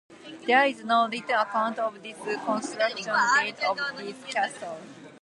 There is no written account of the construction date of the castle.